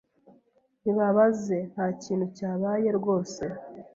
Ntibabaze, nta kintu cyabaye rwose